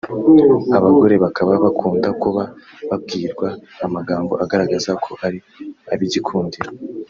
Abagore bakaba bakunda kuba babwirwa amagambo agaragaza ko ari abigikundiro